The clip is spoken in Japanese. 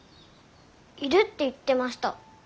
いるって言ってました。